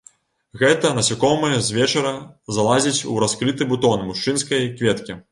Гэта насякомае з вечара залазіць у раскрыты бутон мужчынскай кветкі.